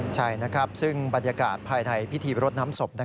ใช่นะครับซึ่งบรรยากาศภายในพิธีรดน้ำศพ